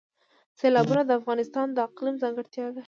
سیلابونه د افغانستان د اقلیم ځانګړتیا ده.